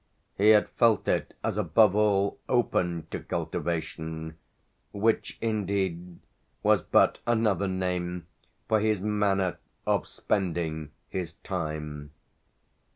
He had felt it as above all open to cultivation which indeed was but another name for his manner of spending his time.